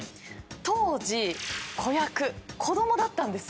当時子役子供だったんですよ。